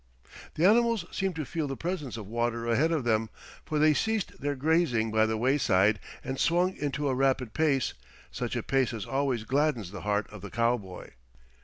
The animals seemed to feel the presence of water ahead of them, for they ceased their grazing by the wayside and swung into a rapid pace, such a pace as always gladdens the heart of the cowboy.